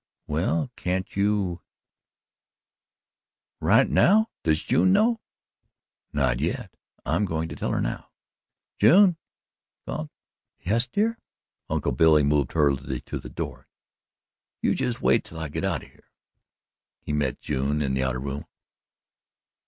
"Well, can't you " "Right now! Does June know?" "Not yet. I'm going to tell her now. June!" he called. "Yes, dear." Uncle Billy moved hurriedly to the door. "You just wait till I git out o' here." He met June in the outer room.